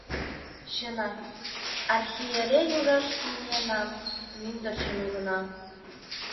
Чынак, архиерей ужаш миенам, мӱндырчын ужынам.